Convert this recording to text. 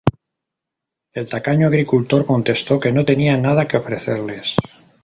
El tacaño agricultor contestó que no tenía nada que ofrecerles.